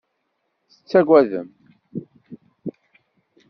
Tettagadem.